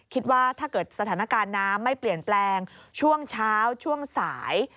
ถ้าเกิดสถานการณ์น้ำไม่เปลี่ยนแปลงช่วงเช้าช่วงสาย